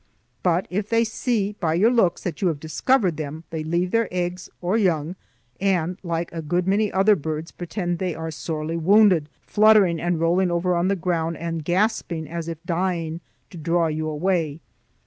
But if they see by your looks that you have discovered them, they leave their eggs or young, and, like a good many other birds, pretend that they are sorely wounded, fluttering and rolling over on the ground and gasping as if dying, to draw you away.